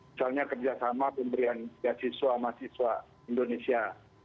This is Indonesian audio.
misalnya kerjasama pemberian beasiswa mahasiswa indonesia